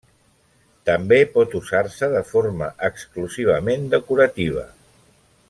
També pot usar-se de forma exclusivament decorativa.